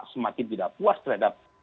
semakin tidak puas terhadap